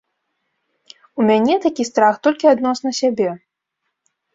У мяне такі страх толькі адносна сябе.